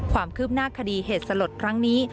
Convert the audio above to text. ความคืบหน้าคดีเหตุสลดครั้งนี้